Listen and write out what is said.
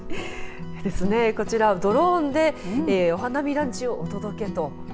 ですね、こちらドローンでお花見ランチをお届けと。